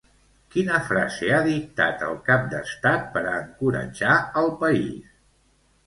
Quina frase ha dictat el cap d'estat per a encoratjar al país?